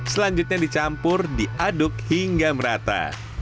selanjutnya dicampur diaduk hingga merata